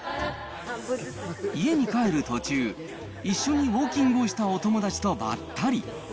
家に帰る途中、一緒にウォーキングをしたお友達とばったり。